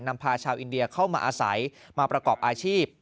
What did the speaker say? พาชาวอินเดียเข้ามาอาศัยมาประกอบอาชีพ